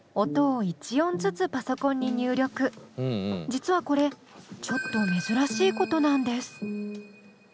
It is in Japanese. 実はこれちょっと珍しいことなんです。